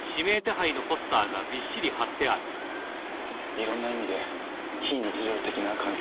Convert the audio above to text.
いろんな意味で非日常的な環境ですね。